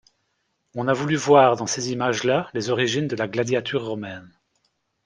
On a voulu voir dans ces images-là les origines de la gladiature romaine.